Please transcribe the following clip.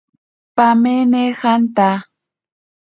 Pamene janta.